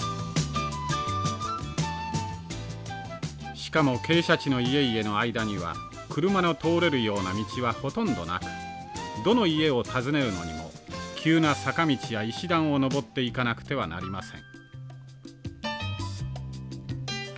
しかも傾斜地の家々の間には車の通れるような道はほとんどなくどの家を訪ねるのにも急な坂道や石段を上っていかなくてはなりません。